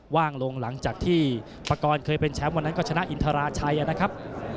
ว่างลงหลังจากที่ปากรเคยเป็นแชมป์วันนั้นก็ชนะอินทราชัยนะครับ